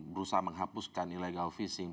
berusaha menghapuskan illegal fishing